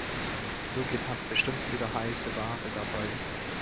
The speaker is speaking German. Birgit hat bestimmt wieder heiße Ware dabei.